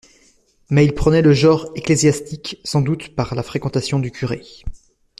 Mais il prenait le genre ecclésiastique, sans doute par la fréquentation du curé.